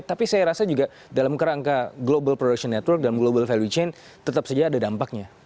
tapi saya rasa juga dalam kerangka global production network dan global value chain tetap saja ada dampaknya